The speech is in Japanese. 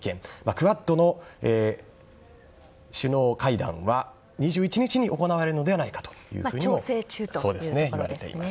クアッドの首脳会談は２１日に行われるのではないかというふうにもいわれています。